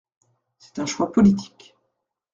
C’est un choix politique.